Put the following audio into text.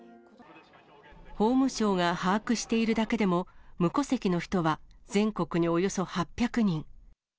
法務省が把握しているだけでも、無戸籍の人は全国におよそ８００人。